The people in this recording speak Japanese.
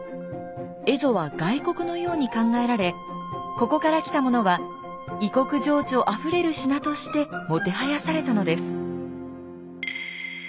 蝦夷は外国のように考えられここから来たものは異国情緒あふれる品としてもてはやされたのです。